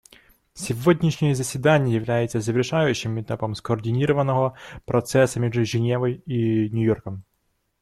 Сегодняшнее заседание является завершающим этапом скоординированного процесса между Женевой и Нью-Йорком.